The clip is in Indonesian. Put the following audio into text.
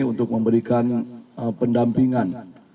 untuk memberikan pendampingan